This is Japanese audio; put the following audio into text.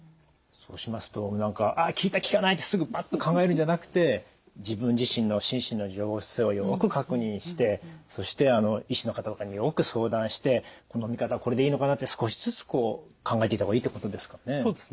そうしますと効いた効かないってすぐパッと考えるんじゃなくて自分自身の心身の様子をよく確認してそして医師の方とかによく相談してこの見方はこれでいいのかなって少しずつこう考えていった方がいいってことですかね？